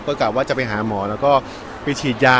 ก็กลายกันว่าหาหมอแล้วก็ไปฉีดยา